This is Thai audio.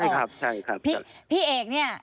ใช่ครับใช่ครับ